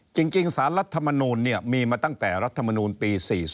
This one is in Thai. จริงศาลรัฐธรรมนุนมีมาตั้งแต่รัฐธรรมนุนปี๔๐